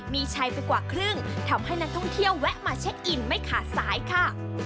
มีชัยไปกว่าครึ่งทำให้นักท่องเที่ยวแวะมาเช็คอินไม่ขาดสายค่ะ